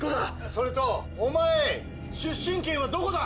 それとお前出身県はどこだ！？